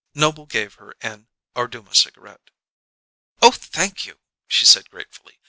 Noble gave her an Orduma cigarette. "Oh, thank you!" she said gratefully.